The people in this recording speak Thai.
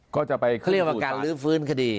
เขาเรียกว่าการลื้อฟื้นคดี